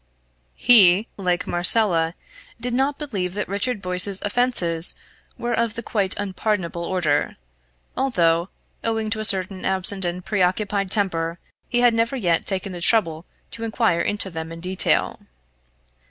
He, like Marcella, did not believe that Richard Boyce's offences were of the quite unpardonable order; although, owing to a certain absent and preoccupied temper, he had never yet taken the trouble to enquire into them in detail.